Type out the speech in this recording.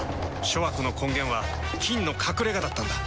諸悪の根源は「菌の隠れ家」だったんだ。